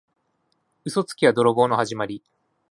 嘘つきは泥棒のはじまり。